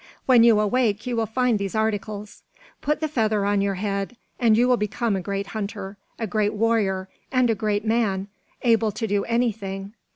When you awake you will find these articles. Put the feather on your head, and you will become a great hunter, a great warrior, and a great man, able to do anything.